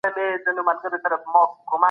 د رڼا په مټ د نسخو اصلیت معلومیږي.